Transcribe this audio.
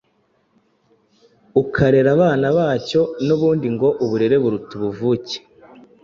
ukarera abana bacyo, n'ubundi ngo Uburere buruta ubuvuke.